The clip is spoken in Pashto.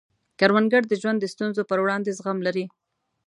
کروندګر د ژوند د ستونزو پر وړاندې زغم لري